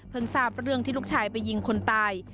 เพิงซาเบื้องที่ลูกชายไปยิงคนตาย